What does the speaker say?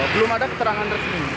belum ada keterangan resmi